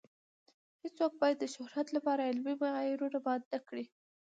هیڅوک باید د شهرت لپاره علمي معیارونه مات نه کړي.